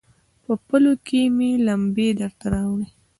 په پلو کې مې لمبې درته راوړي